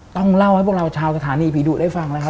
ต้องเล่าให้พวกเราชาวสถานีผีดุได้ฟังนะครับ